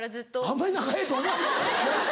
あんまり仲ええと思わんなぁ。